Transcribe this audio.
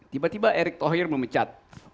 tiba tiba erick thohir memecat